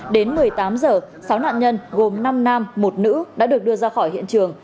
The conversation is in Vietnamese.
đến một mươi tám h sáu nạn nhân gồm năm nam một nữ đã được đưa ra khỏi hiện trường